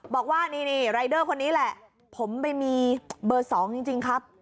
บอกว่านี่รายเดอร์คนนี้แหละผมไปมีเบอร์๒จริงครับ